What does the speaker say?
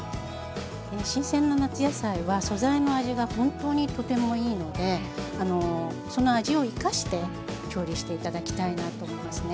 新鮮な夏野菜は素材の味が本当にとてもいいのでその味を生かして調理して頂きたいなと思いますね。